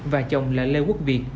và chồng lợi lê quốc việt